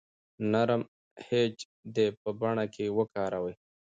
نرم خج دې په بڼه کې وکاروئ.